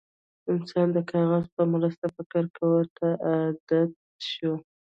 انسان د کاغذ په مرسته فکر کولو ته عادت شو.